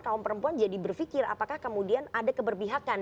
kaum perempuan jadi berpikir apakah kemudian ada keberpihakan